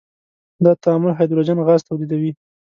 دا تعامل هایدروجن غاز تولیدوي.